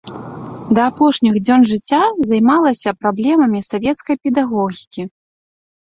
Да апошніх дзён жыцця займалася праблемамі савецкай педагогікі.